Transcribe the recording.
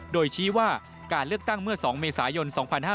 โดยชี้ว่าการเลือกตั้งเมื่อ๒เมษายน๒๕๕๙